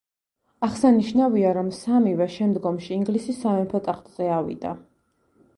აღსანიშნავია, რომ სამივე შემდგომში ინგლისის სამეფო ტახტზე ავიდა.